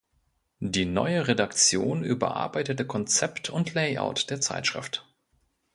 Die neue Redaktion überarbeitete Konzept und Layout der Zeitschrift.